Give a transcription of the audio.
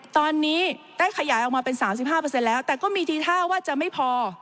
ตอนนี้ได้ขยายออกมาเป็น๓๕แล้วแต่ก็มีทีท่าว่าจะไม่พอ